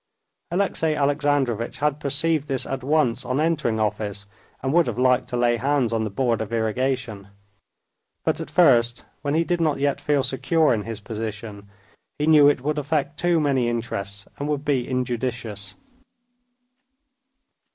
Alexey Alexandrovitch had perceived this at once on entering office, and would have liked to lay hands on the Board of Irrigation. But at first, when he did not yet feel secure in his position, he knew it would affect too many interests, and would be injudicious.